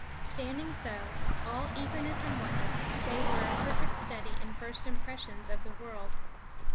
Standing so, all eagerness and wonder, they were a perfect study in first impressions of the world.